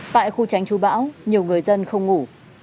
tại khu tránh chú bão nhiều người dân không ngủ